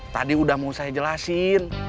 tadi udah mau saya jelasin